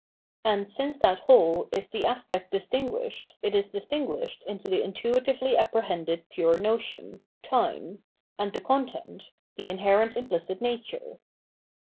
And since that whole is the aspect distinguished, it is distinguished into the intuitively apprehended pure notion. Time, and the content, the inherent imphcit nature.